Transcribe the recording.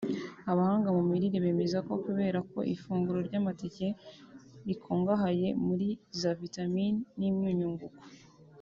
Abahanga mu mirire bemeza ko kubera ko ifunguro ry’amateike rikungahaye muri za vitamin n’imyunyu ngugu